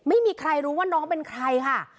ไม่มีใครรู้ว่าน้องเป็นใครค่ะ